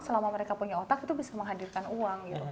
selama mereka punya otak itu bisa menghadirkan uang gitu